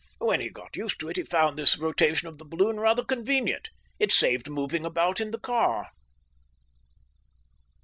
When he got used to it, he found this rotation of the balloon rather convenient; it saved moving about in the car.